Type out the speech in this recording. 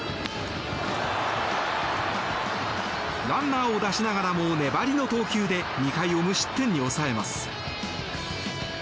ランナーを出しながらも粘りの投球で２回を無失点に抑えます。